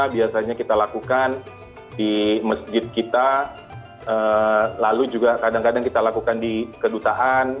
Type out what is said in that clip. biasanya kita lakukan di masjid kita lalu juga kadang kadang kita lakukan di kedutaan